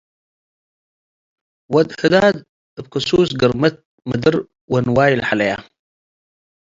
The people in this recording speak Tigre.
ወድ ህዳድ እብ ክሱስ ግርመት። ምድር ወንዋይ ለሐለየ